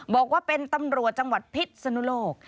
บอกว่าเป็นตำรวจจังหวัดพิษสนุโลก